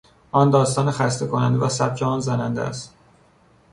آن داستان خسته کننده و سبک آن زننده است.